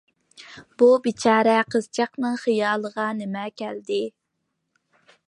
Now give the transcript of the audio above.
بۇ بىچارە قىزچاقنىڭ خىيالىغا نېمە كەلدى.